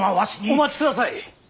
お待ちください。